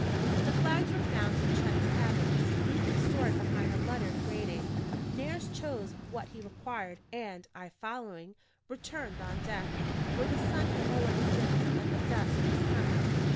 The flags were found in Trent's cabin, neatly stored behind a lettered grating; Nares chose what he required and (I following) returned on deck, where the sun had already dipped, and the dusk was coming.